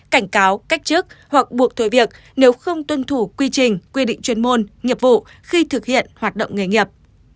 cảnh cáo cách chức hoặc buộc thôi việc nếu không tuân thủ quy trình quy định chuyên môn nghiệp vụ khi thực hiện hoạt động nghề nghiệp